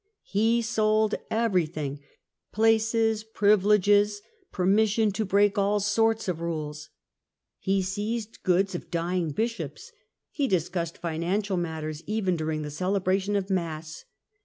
He sold everything; SCHISMS IN THE PAPACY AND EMPIRE 117 places, privileges, permission to break all sorts of rules. He seized goods of dying Bishops, he discussed financial matters even during the celebration of Mass.